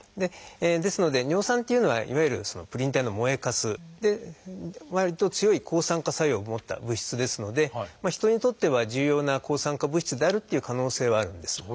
ですので尿酸っていうのはいわゆるプリン体の燃えかすでわりと強い抗酸化作用を持った物質ですので人にとっては重要な抗酸化物質であるっていう可能性はあるんです。